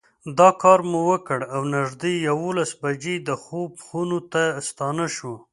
دا کار مو وکړ او نږدې یوولس بجې د خوب خونو ته ستانه شوو.